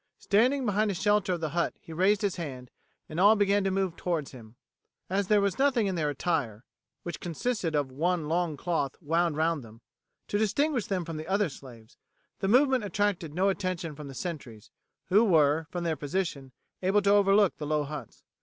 Standing behind the shelter of the hut he raised his hand, and all began to move towards him. As there was nothing in their attire, which consisted of one long cloth wound round them, to distinguish them from the other slaves, the movement attracted no attention from the sentries, who were, from their position, able to overlook the low huts.